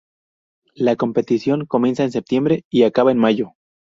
La competición comienza en septiembre y acaba en mayo.